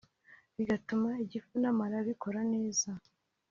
bigatuma igifu n’amara bikora neza